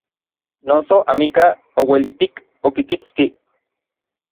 Noso amikaj ouelitik okikitskij.